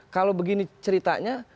kalau begini ceritanya